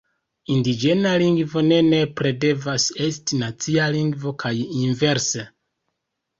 Indiĝena lingvo ne nepre devas esti nacia lingvo kaj inverse.